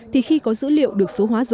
thì khi có dữ liệu được số hóa dấu